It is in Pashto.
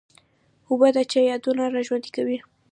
اوبه د چا یادونه را ژوندي کوي.